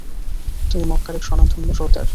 তুমি মক্কার এক স্বনামধন্য সর্দার।